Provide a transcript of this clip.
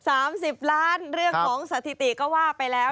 สามสิบล้านเรื่องของสถิติก็ว่าไปแล้ว